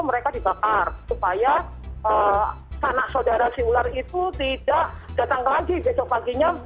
mereka dibakar supaya anak saudara si ular itu tidak datang lagi besok paginya